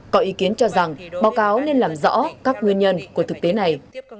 cho rằng báo cáo nên làm rõ các nguyên nhân của thực tế này